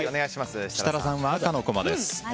設楽さんは赤のコマです。